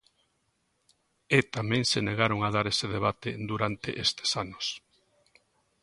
E tamén se negaron a dar ese debate durante estes anos.